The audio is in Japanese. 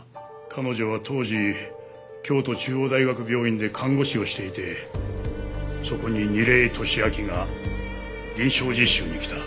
彼女は当時京都中央大学病院で看護師をしていてそこに楡井敏秋が臨床実習に来た。